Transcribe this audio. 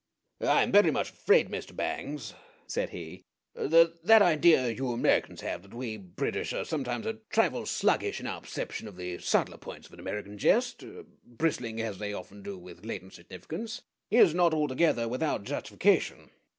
"I am very much afraid, Mr. Bangs," said he, "that that idea you Americans have that we British are sometimes a trifle sluggish in our perception of the subtler points of an American jest, bristling as they often do with latent significance, is not altogether without justification.